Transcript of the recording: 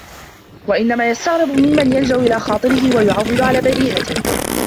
وَإِنَّمَا يُسْتَغْرَبُ مِمَّنْ يَلْجَأُ إلَى خَاطِرِهِ وَيُعَوِّلُ عَلَى بَدِيهَتِهِ